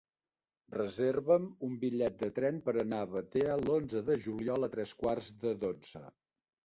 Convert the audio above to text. Reserva'm un bitllet de tren per anar a Batea l'onze de juliol a tres quarts de dotze.